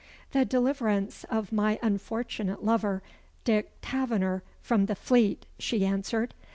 "The deliverance of my unfortunate lover, Dick Taverner, from the Fleet," she answered.